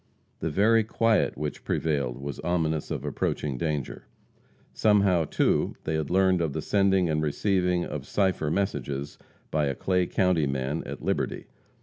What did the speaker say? The very quiet which prevailed was ominous of approaching danger. Somehow, too, they had learned of the sending and receiving of cipher messages by a Clay county man, at Liberty.